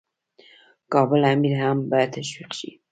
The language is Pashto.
د کابل امیر هم باید تشویق شي.